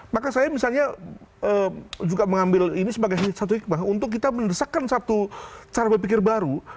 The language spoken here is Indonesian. maka saya misalnya juga mengambil ini sebagai satu hikmah untuk kita mendesakkan satu cara berpikir baru